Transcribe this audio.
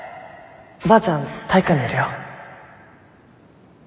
ばあちゃん体育館にいるよ。